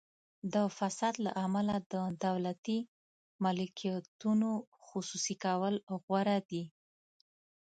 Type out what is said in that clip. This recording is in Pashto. د فساد له امله د دولتي ملکیتونو خصوصي کول غوره دي.